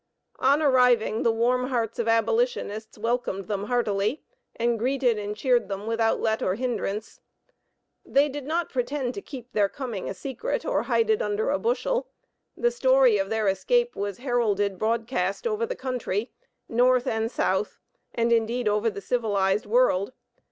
On arriving, the warm hearts of abolitionists welcomed them heartily, and greeted and cheered them without let or hindrance. They did not pretend to keep their coming a secret, or hide it under a bushel; the story of their escape was heralded broadcast over the country North and South, and indeed over the civilized world.